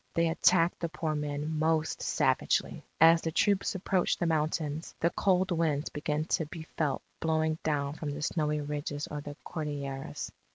They attacked the poor men most savagely. As the troops approached the mountains, the cold winds began to be felt blowing down from the snowy ridges of the Cordilleras.